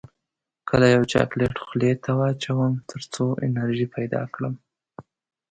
کله یو چاکلیټ خولې ته واچوم تر څو انرژي پیدا کړم